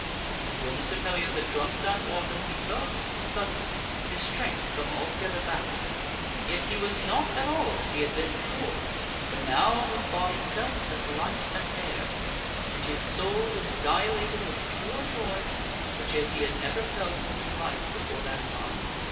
And when Sir Pellias had drunk that water he felt, of a sudden, his strength come altogether back to him. Yet he was not at all as he had been before, for now his body felt as light as air, and his soul was dilated with a pure joy such as he had never felt in his life before that time.